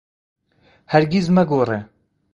هەرگیز مەگۆڕێ.